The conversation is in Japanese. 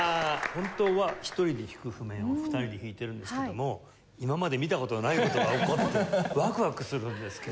本当は１人で弾く譜面を２人で弾いているんですけども今まで見た事ない事が起こってワクワクするんですけど。